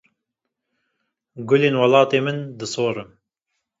gulên welatê min di sorin